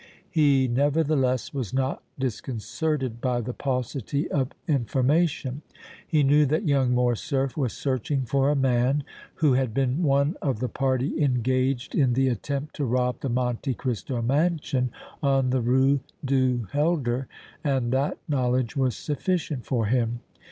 He, nevertheless, was not disconcerted by the paucity of information. He knew that young Morcerf was searching for a man who had been one of the party engaged in the attempt to rob the Monte Cristo mansion on the Rue du Helder, and that knowledge was sufficient for him.